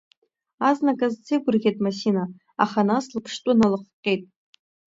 Азныказ дсеигәырӷьеит Масина, аха, нас лыԥштәы налыхҟьеит.